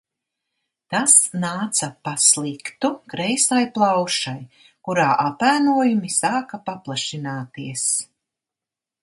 Tas nāca pa sliktu kreisai plaušai – kurā apēnojumi sāka paplašināties.